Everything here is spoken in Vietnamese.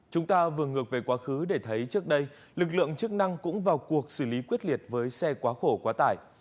chúng ta vừa ngược về quá khứ để thấy trước đây lực lượng chức năng cũng vào cuộc xử lý quyết liệt với xe quá khổ quá tải